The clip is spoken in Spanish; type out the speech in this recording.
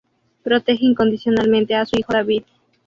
Protege incondicionalmente a su hijo David.